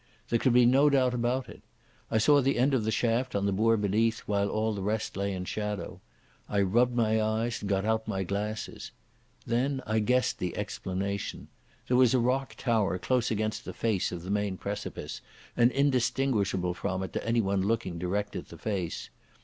There could be no doubt about it. I saw the end of the shaft on the moor beneath, while all the rest lay in shadow. I rubbed my eyes, and got out my glasses. Then I guessed the explanation. There was a rock tower close against the face of the main precipice and indistinguishable from it to anyone looking direct at the face.